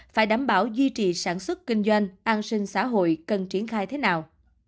phải đảm bảo duy trì sản xuất kinh doanh an sinh xã hội cần triển khai thế nào